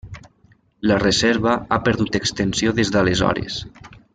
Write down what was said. La reserva ha perdut extensió des d'aleshores.